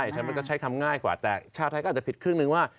ใช่มันก็ใช้คำง่ายกว่าแต่ชาวไทยก็อาจจะผิดครึ่งนึงว่า